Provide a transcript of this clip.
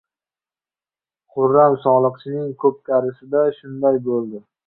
Xurram soliqchining ko‘pkarisida shunday bo‘ldi.